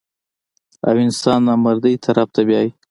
او انسان نامردۍ طرف ته بيائي -